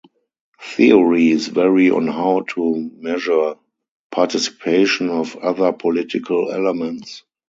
Theories vary on how to measure participation of other political elements.